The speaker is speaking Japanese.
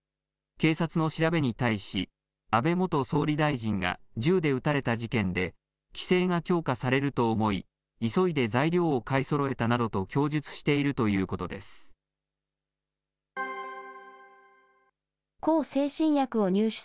警察の調べに対し、安倍元総理大臣が銃で撃たれた事件で規制が強化されると思い、急いで材料を買いそろえたなどと供述しているということです。